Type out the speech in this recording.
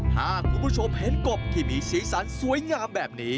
ถ้าคุณผู้ชมเห็นกบที่มีสีสันสวยงามแบบนี้